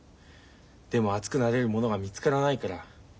でも熱くなれるものが見つからないから。